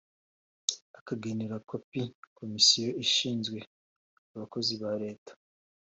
akagenera kopi komisiyo ishinzwe abakozi ba leta.